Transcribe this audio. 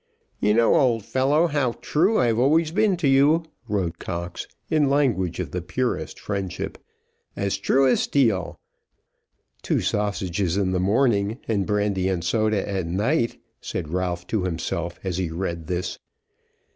"You know, old fellow, how true I've always been to you," wrote Cox, in language of the purest friendship. "As true as steel, to sausages in the morning and brandy and soda at night," said Ralph to himself as he read this.